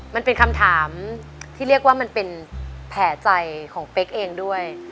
มันเป็นคำถามที่เรียกว่ามันเป็นแผลใจของเป๊กเองด้วย